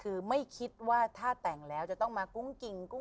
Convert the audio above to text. คือไม่คิดว่าถ้าแต่งแล้วจะต้องมากุ้งกิ่งกุ้ง